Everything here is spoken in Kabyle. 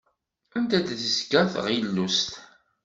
Anda d-tezga tɣilust?